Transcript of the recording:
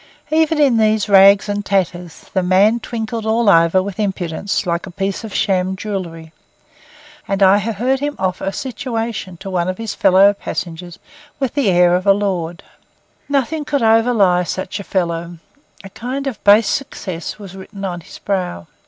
Even in these rags and tatters, the man twinkled all over with impudence like a piece of sham jewellery; and I have heard him offer a situation to one of his fellow passengers with the air of a lord. Nothing could overlie such a fellow; a kind of base success was written on his brow.